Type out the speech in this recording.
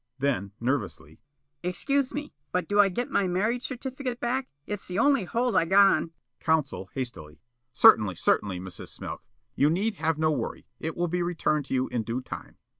Then nervously: "Excuse me, but do I get my marriage certificate back? It's the only hold I got on " Counsel, hastily: "Certainly, certainly, Mrs. Smilk. You need have no worry. It will be returned to you in due time."